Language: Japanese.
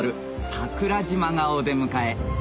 桜島がお出迎え